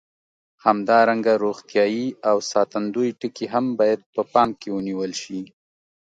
همدارنګه روغتیایي او ساتندوي ټکي هم باید په پام کې ونیول شي.